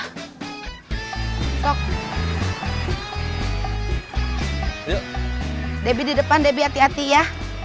dibikin dulu di depan ati ati ya